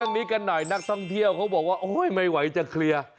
เรื่องนี้กันหน่อยนักท่องเที่ยวเขาบอกว่าโอ้ยไม่ไหวจะเคลียร์